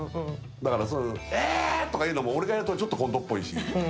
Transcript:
だから、えー！とか言うのも、俺が言うとちょっとコントっぽいし。